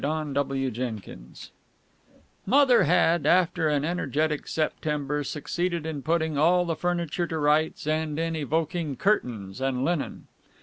CHAPTER XVIII Mother had, after an energetic September, succeeded in putting all the furniture to rights and in evoking curtains and linen.